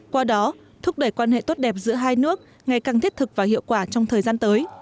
qua đó thúc đẩy quan hệ tốt đẹp giữa hai nước ngày càng thiết thực và hiệu quả trong thời gian tới